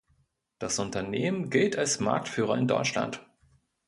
Das Unternehmen gilt als Marktführer in Deutschland.